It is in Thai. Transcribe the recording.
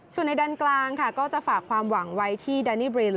ส่วนในด้านกลางก็จะฝากความหวังไว้ที่ดานิบริน